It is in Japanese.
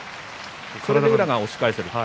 それで宇良が押し返せると。